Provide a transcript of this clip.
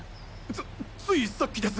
つついさっきです。